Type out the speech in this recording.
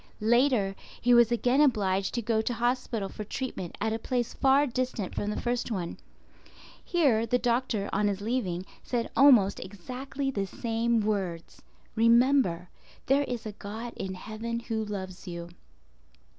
Later, he was again obliged to go to hospital for treatment at a place far distant from the first one. Here the doctor, on his leaving, said almost exactly the same words—"Remember there is a God in heaven Who loves you."